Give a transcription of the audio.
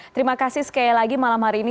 terima kasih sekali lagi malam hari ini